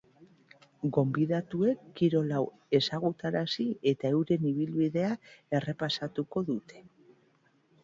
Gonbidatuek kirol hau ezagutarazi eta euren ibilbidea errepasatuko dute.